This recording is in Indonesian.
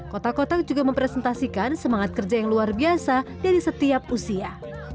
kotak kotak juga mempresentasikan semangat kerja yang luar biasa dari setiap usia